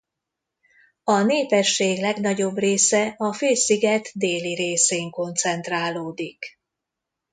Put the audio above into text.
A népesség legnagyobb része a félsziget déli részén koncentrálódik.